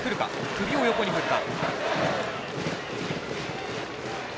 首を横に振った。